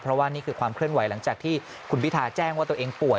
เพราะว่านี่คือความเคลื่อนไหวหลังจากที่คุณพิธาแจ้งว่าตัวเองป่วย